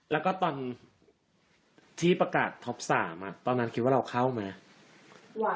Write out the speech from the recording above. แล้วก็ตอนที่ประกาศท็อป๓ตอนนั้นคิดว่าเราเข้าไหม